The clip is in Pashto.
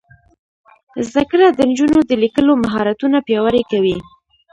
زده کړه د نجونو د لیکلو مهارتونه پیاوړي کوي.